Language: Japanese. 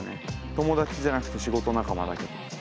友達じゃなくて仕事仲間だけど。